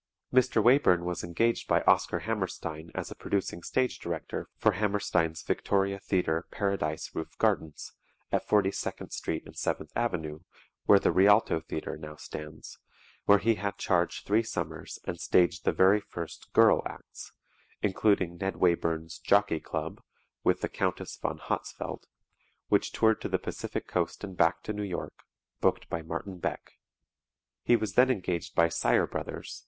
Mr. Wayburn was engaged by Oscar Hammerstein as producing stage director for Hammerstein's Victoria Theatre Paradise Roof Gardens, at 42nd Street and 7th Avenue, where the Rialto Theatre now stands, where he had charge three summers and staged the very first "girl" acts, including Ned Wayburn's "Jockey Club" with the Countess Von Hatzfeldt, which toured to the Pacific Coast and back to New York, booked by Martin Beck. He was then engaged by Sire Bros.